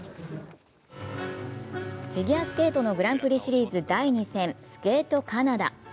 フィギュアスケートのグランプリシリーズ第２戦、スケートカナダ。